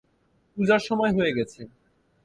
পূজার সময় হয়ে গেছে।